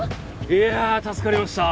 いや助かりました